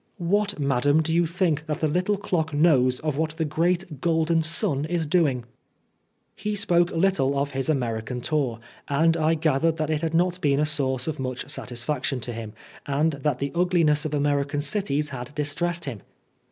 "What, madam, do you think that that little clock knows of what the great golden sun is doing?" 72 Oscar Wilde He spoke little of his American tour, and I gathered that it had not been a source of much satisfaction to him, and that the ugliness of American cities had distressed him.